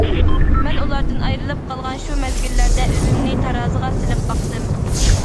مەن ئۇلاردىن ئايرىلىپ قالغان شۇ مەزگىللەردە ئۆزۈمنى تارازىغا سېلىپ باقتىم.